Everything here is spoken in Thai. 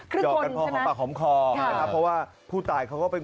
ครึ่งคนใช่ไหมปากหอมคอใช่ครับเพราะว่าผู้ตายเขาก็เป็น